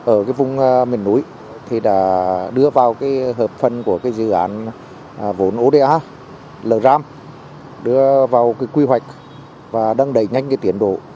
ở vùng miền núi thì đã đưa vào hợp phần của dự án vốn oda là ram đưa vào quy hoạch và đang đẩy nhanh tiến độ